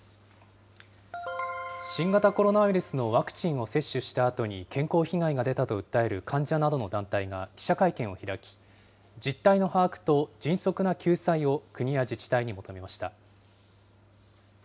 新型コロナウイルスのワクチンを接種したあとに健康被害が出たと訴える患者などの団体が記者会見を開き、実態の把握と迅速な救済を国や自治体に求めました。